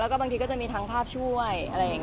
แล้วก็บางทีก็จะมีทันภาพช่วย